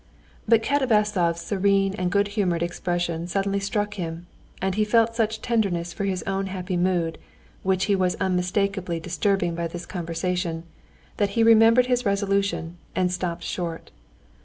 But Katavasov's serene and good humored expression suddenly struck him, and he felt such tenderness for his own happy mood, which he was unmistakably disturbing by this conversation, that he remembered his resolution and stopped short.